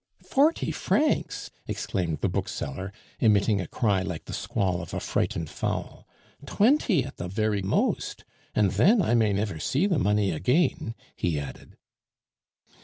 "Forty francs!" exclaimed the bookseller, emitting a cry like the squall of a frightened fowl. "Twenty at the very most! And then I may never see the money again," he added.